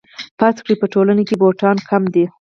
فرض کړئ په ټولنه کې بوټان کم دي